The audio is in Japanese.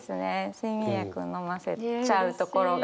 睡眠薬をのませちゃうところが。